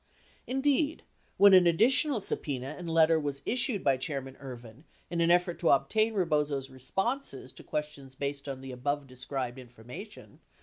Indeed when an additional subpena and letter was issued by Chairman Ervin in an effort to obtain Rebozo's responses to questions based on the above described information.